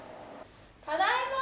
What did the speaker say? ただいま。